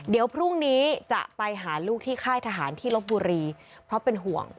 เดี๋ยวพรุ่งนี้จะไปหาลูกที่ค่ายทหารที่ลบบุรีเพราะเป็นห่วง